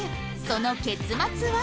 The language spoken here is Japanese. その結末は？